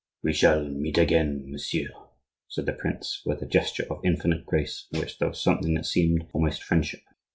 "We shall meet again, monsieur," said the prince, with a gesture of infinite grace, in which there was something that seemed almost friendship.